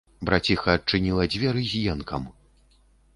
Браціха адчыніла дзверы з енкам.